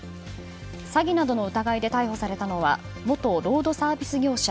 詐欺などの疑いで逮捕されたのは元ロードサービス業者